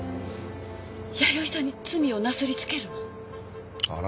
弥生さんに罪をなすりつけるの？